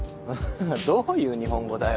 どういう日本語だよ。